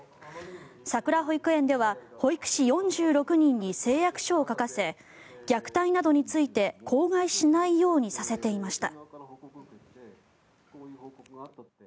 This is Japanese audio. さくら保育園では保育士４６人に誓約書を書かせ虐待などについて口外しないようにさせていました。